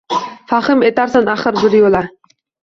Fahm etarsan axir bir yo’la.